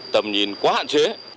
tầm nhìn quá hạn chế